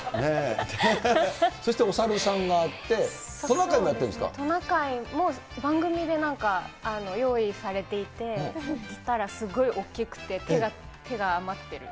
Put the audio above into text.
そしてお猿さんがあって、トナカイも番組でなんか、用意されていて、着たらすごい大きくて、手が余ってる。